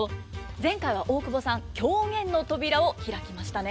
前回は大久保さん狂言の扉を開きましたね。